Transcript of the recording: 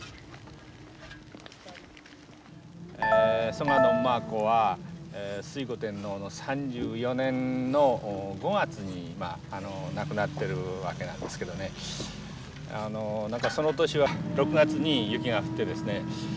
蘇我馬子は推古天皇の３４年の５月に亡くなってるわけなんですけどね何かその年は６月に雪が降ってですね